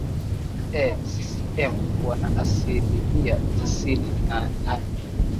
ee ccm wana asilimia tisini na nane